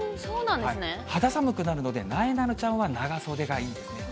肌寒くなるので、なえなのちゃんは長袖がいいですね。